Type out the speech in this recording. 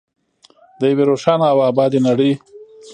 د یوې روښانه او ابادې نړۍ.